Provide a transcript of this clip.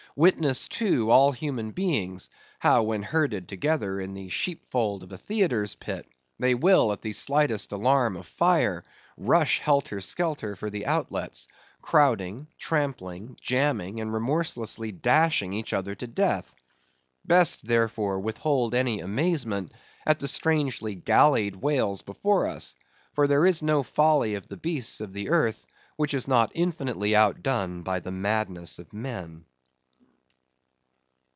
Witness, too, all human beings, how when herded together in the sheepfold of a theatre's pit, they will, at the slightest alarm of fire, rush helter skelter for the outlets, crowding, trampling, jamming, and remorselessly dashing each other to death. Best, therefore, withhold any amazement at the strangely gallied whales before us, for there is no folly of the beasts of the earth which is not infinitely outdone by the madness of men.